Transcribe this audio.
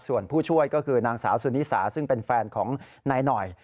ส่วนผู้ช่วยก็คือนางสาวสุนิสาซึ่งเป็นแฟนของนายหน่อย